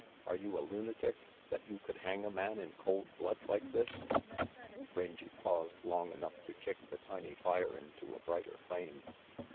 Are you a lunatic, that you could hang a man in cold blood like this?" Rangy paused long enough to kick the tiny fire into a brighter flame.